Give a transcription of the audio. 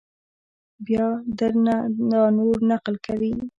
بیا در نه دا نور نقل کوي!